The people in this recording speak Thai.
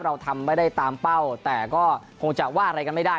เราทำไม่ได้ตามเป้าแต่ก็คงจะว่าอะไรกันไม่ได้